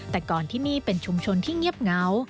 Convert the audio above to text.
แต่ก่อนที่นี่เป็นชุมชนที่เงียบเหงา